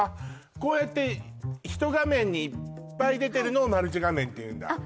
こうやってひと画面にいっぱい出てるのをマルチ画面っていうんだあっ